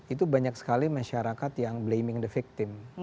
itu banyak sekali masyarakat yang blaming the victim